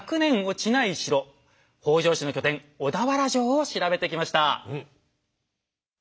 北条氏の拠点小田原城を調べてきました！